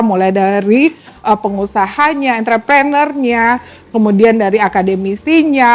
mulai dari pengusahanya entrepreneurnya kemudian dari akademisinya